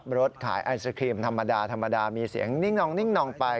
แหมรถขายไอศครีมฯธรรมดามีเสียงนิ่งนองไป